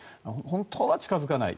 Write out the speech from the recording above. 本当は近付かない。